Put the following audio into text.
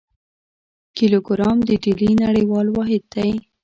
کیلوګرام د ډلي نړیوال واحد دی.